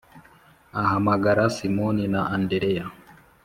Ahamagara Simoni na Andereya